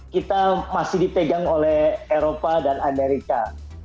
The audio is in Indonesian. kita masih dipegang oleh eropa dan amerika